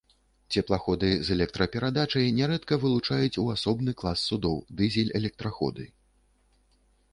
Цеплаходы з электраперадачай нярэдка вылучаюць у асобны клас судоў, дызель-электраходы.